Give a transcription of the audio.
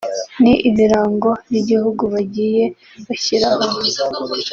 ni ibirango by’igihugu bagiye bashyiraho